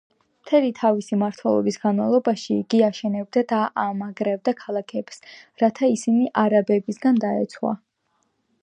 მთელი თავისი მმართველობის განმავლობაში იგი აშენებდა და ამაგრებდა ქალაქებს რათა ისინი არაბებისაგან დაეცვა.